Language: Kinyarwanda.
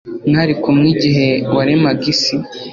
mwari kumwe igihe waremaga isi